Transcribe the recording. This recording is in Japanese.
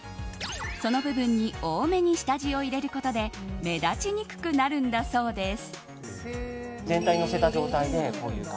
その部分に多めに下地を入れることで目立ちにくくなるんだそうです。